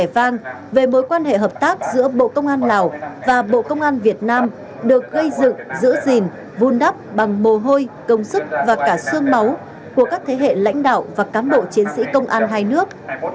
vẻ vang về mối quan hệ hợp tác giữa bộ công an lào và bộ công an việt nam được gây dựng giữ gìn vun đắp bằng mồ hôi công sức và cả xương máu của các thế hệ lãnh đạo và cám bộ chiến sĩ công an hai nước